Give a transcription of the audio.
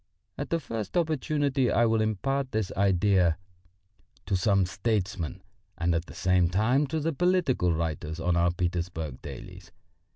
At the first opportunity I will impart this idea to some statesman and at the same time to the political writers on our Petersburg dailies.